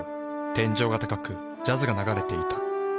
天井が高くジャズが流れていた。